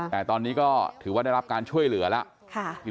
แต่ตอนนี้ก็ถือว่าได้รับการช่วยเหลือแล้ว